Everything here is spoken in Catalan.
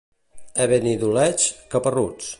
A Benidoleig, caparruts.